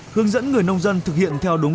hướng dẫn người nông dân thực hiện theo đúng